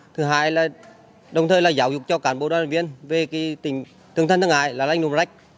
thứ hai là đồng thời là giáo dục cho cán bộ đoàn viên về cái tính tương thân tương ái là lãnh đồng rách